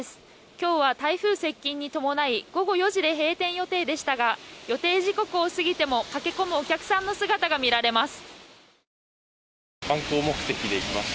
今日は台風接近に伴い午後４時で閉店予定でしたが予定時刻を過ぎても駆け込むお客さんの姿が見られます。